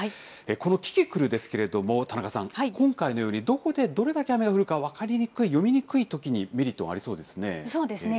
このキキクルですけれども、田中さん、今回のようにどこでどれだけ雨が降るか分かりにくい、読みにくいときにメリットがありそうですね。